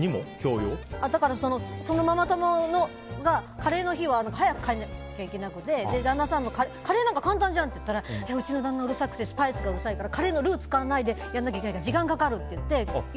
だから、そのママ友がカレーの日は早く帰らなきゃいけなくてカレーなんて簡単じゃんって言ったらうちの旦那うるさくてスパイスがうるさいからカレーのルー使わないでやらないといけないから時間かかるって言って。